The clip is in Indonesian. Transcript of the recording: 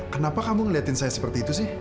kenapa kamu ngeliatin saya seperti itu sih